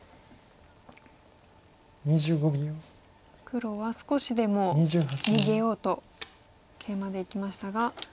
黒は少しでも逃げようとケイマでいきましたが。